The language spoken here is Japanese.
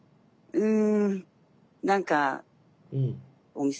うん。